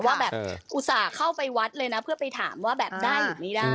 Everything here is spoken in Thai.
ว่าแบบอุตส่าห์เข้าไปวัดเลยนะเพื่อไปถามว่าแบบได้หรือไม่ได้